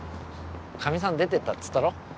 かみさん出てったっつったろ？